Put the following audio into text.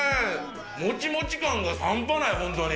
もちもち感が半端ない、本当に。